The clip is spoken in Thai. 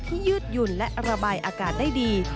ยืดหยุ่นและระบายอากาศได้ดี